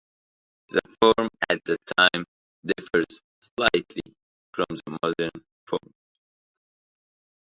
The form at the time differs slightly from the modern form.